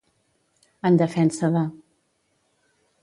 En defensa de.